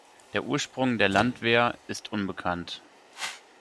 Der Ursprung der Landwehr ist unbekannt.